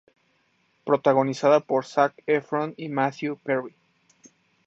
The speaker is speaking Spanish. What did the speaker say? Protagonizada por Zac Efron y Matthew Perry.